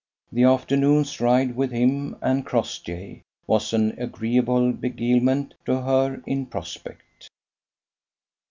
The afternoon's ride with him and Crossjay was an agreeable beguilement to her in prospect.